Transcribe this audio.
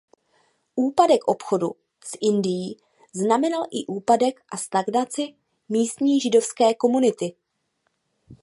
Úpadek obchodu s Indií znamenal i úpadek a stagnaci místní židovské komunity.